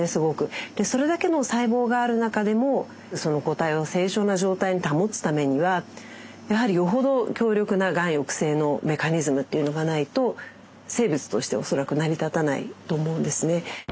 それだけの細胞がある中でもその個体を正常な状態に保つためにはやはりよほど強力ながん抑制のメカニズムっていうのがないと生物として恐らく成り立たないと思うんですね。